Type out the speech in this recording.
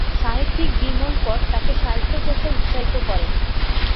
সাহিত্যিক বিমল কর তাঁকে সাহিত্যচর্চায় উৎসাহিত করেন।